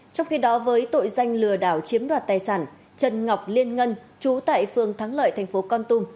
trong khi đó với tội danh lừa đảo chiếm đoạt tài sản trần ngọc liên ngân trú tại phường thắng lợi thành phố con tum